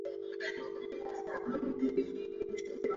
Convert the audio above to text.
ndiyo suluhu ya kumaliza tatizo ambalo lipo mbele yetu